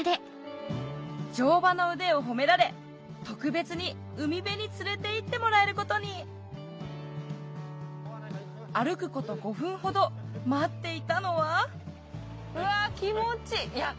乗馬の腕を褒められ特別に海辺に連れて行ってもらえることに歩くこと５分ほど待っていたのはうわ気持ちいい。